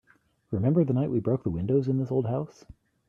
Remember the night we broke the windows in this old house?